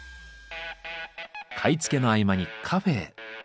買い付けの合間にカフェへ。